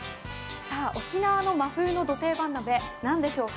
沖縄の真冬のド定番鍋、何でしょうか。